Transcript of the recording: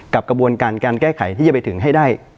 กระบวนการการแก้ไขที่จะไปถึงให้ได้